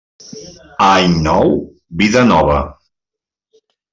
Any nou, vida nova.